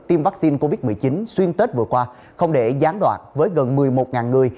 tiêm vaccine covid một mươi chín xuyên tết vừa qua không để gián đoạn với gần một mươi một người